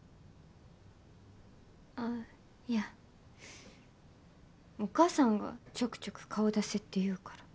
あっいやお母さんがちょくちょく顔出せって言うから。